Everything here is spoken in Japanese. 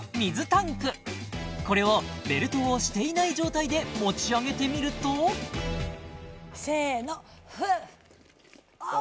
これをベルトをしていない状態で持ち上げてみるとせーのフッあっ